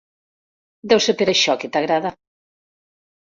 Deu ser per això que t'agrada.